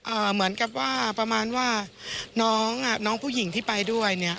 เหมือนกับว่าประมาณว่าน้องอ่ะน้องผู้หญิงที่ไปด้วยเนี้ย